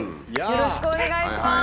よろしくお願いします。